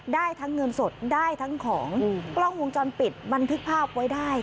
ได้ทั้งเงินสดได้ทั้งของกล้องวงจรปิดบันทึกภาพไว้ได้